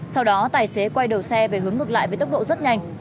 sau đó tài xế quay đầu xe về hướng ngược lại với tốc độ rất nhanh